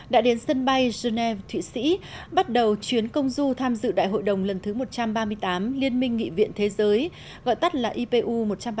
đã đến sân bay geneva thụy sĩ bắt đầu chuyến công du tham dự đại hội đồng lần thứ một trăm ba mươi tám liên minh nghị viện thế giới gọi tắt là ipu một trăm ba mươi